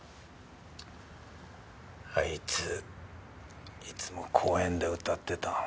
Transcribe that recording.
あいついつも公園で歌ってた。